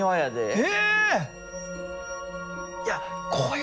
え？